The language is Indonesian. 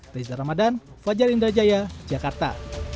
saya zahra madan fajar indrajaya jakarta